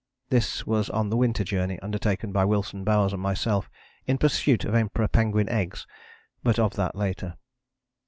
This was on the Winter Journey undertaken by Wilson, Bowers and myself in pursuit of Emperor penguin eggs but of that later.